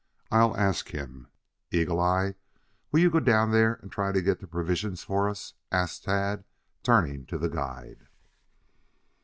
I'll ask him. Eagle eye, will you go down there and try to get the provisions for us?" asked Tad, turning to the guide.